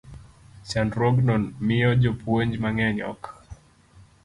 Chandruogno miyo jopuonj mang'eny ok